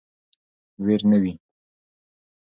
ویر نه وي.